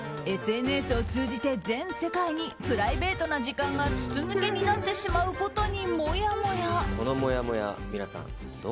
ＳＮＳを通じて全世界にプライベートな時間が筒抜けになってしまうことにもやもや。